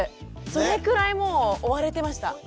それくらいもう追われてました。